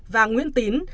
và nguyễn tín